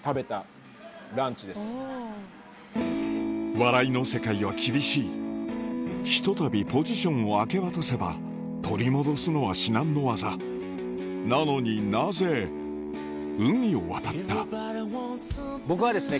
笑いの世界は厳しいひとたびポジションを明け渡せば取り戻すのは至難の業なのになぜ海を渡った僕はですね。